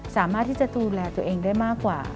สามารถที่จะดูแลตัวเองได้มากกว่า